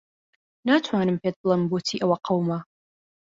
ناتوانم پێت بڵێم بۆچی ئەوە قەوما.